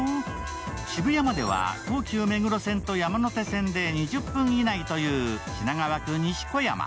渋谷までは東急目黒線と山手線で２０分以内という品川区西小山。